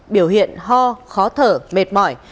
biểu hiện ho khó thở mệt mỏi